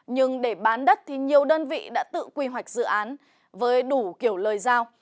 nhưng để bán đất thì nhiều đơn vị đã tự quy hoạch dự án với đủ kiểu lời giao